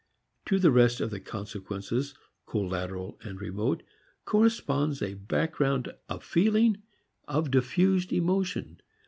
To the rest of the consequences, collateral and remote, corresponds a background of feeling, of diffused emotion.